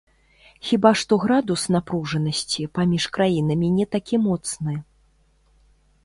Хіба што градус напружанасці паміж краінамі не такі моцны.